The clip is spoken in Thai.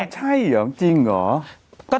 ใช่เหรอจริงเหรอ